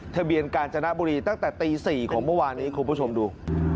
กาญจนบุรีตั้งแต่ตี๔ของเมื่อวานนี้คุณผู้ชมดู